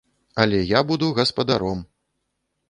Але я буду гаспадаром!